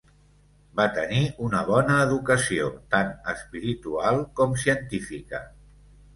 Va tenir una bona educació tant espiritual com científica.